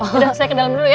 udah saya ke dalam dulu ya